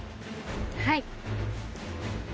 はい。